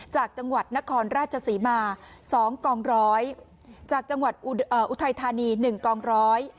จากจังหวัดนครราชศรีมา๒กองร้อยจากจังหวัดอุทัยธานี๑กองร้อย